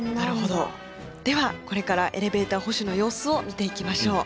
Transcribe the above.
ではこれからエレベーター保守の様子を見ていきましょう。